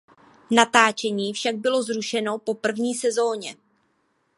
Natáčení však bylo zrušeno po první sezoně.